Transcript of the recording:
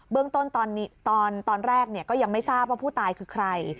เรื่องต้นตอนแรกก็ยังไม่ทราบว่าผู้ตายคือใคร